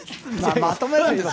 まとめるんですか？